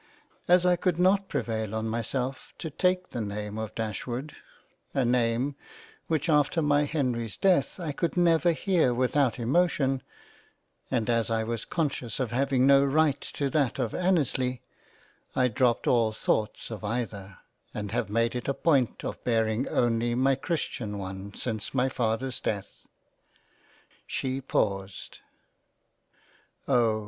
As I could not prevail on myself to take the name of Dashwood (a name which after my Henry's death I could never hear without emotion) and as I was conscious of having no right to that of Annesley, I dropt all thoughts of either, and have made it a point of bearing only my Christian one since my Father's death." She paused — M Oh